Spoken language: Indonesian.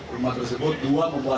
rumah tersebut dua membawa